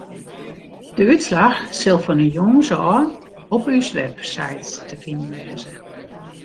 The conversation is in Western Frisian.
De útslach sil fan 'e jûns ôf op ús website te finen wêze.